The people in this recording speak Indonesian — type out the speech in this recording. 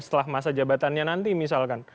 setelah masa jabatannya nanti misalkan